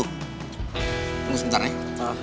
tunggu sebentar ya